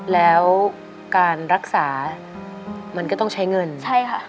แล้วการรักษามันก็ต้องใช้เงินใช่ค่ะ